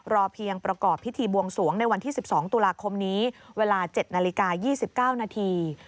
รอเพียงประกอบพิธีบวงสวงในวันที่สิบสองตุลาคมนี้เวลาเจ็ดนาฬิกายี่สิบเก้านาที